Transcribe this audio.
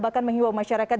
bahkan menghibau masyarakat